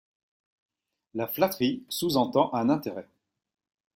La flatterie sous-entend un intérêt.